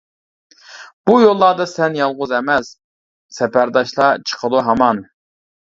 بۇ يوللاردا سەن يالغۇز ئەمەس، سەپەرداشلار چىقىدۇ ھامان.